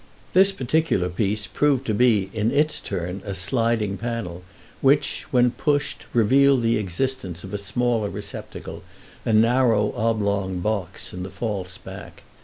This particular piece proved to be, in its turn, a sliding panel, which, when pushed, revealed the existence of a smaller receptacle, a narrow, oblong box, in the false back.